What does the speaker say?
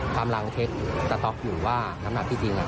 กำลังเช็คสต๊อกอยู่ว่าน้ำหนักที่จริง